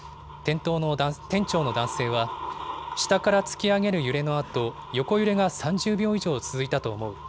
店長の男性は、下から突き上げる揺れのあと、横揺れが３０秒以上続いたと思う。